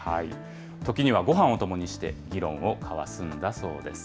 時にはごはんを共にして、議論を交わすんだそうです。